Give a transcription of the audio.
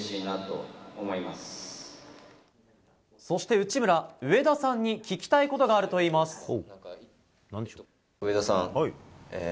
そして、内村上田さんに聞きたいことがあるといいます。